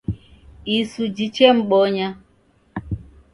Isu jichemmbonya